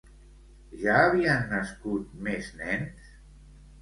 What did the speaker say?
Ja havien nascut més nens?